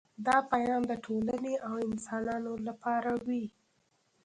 دا پیام د ټولنې او انسانانو لپاره وي